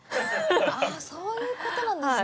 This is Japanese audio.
ああそういう事なんですね。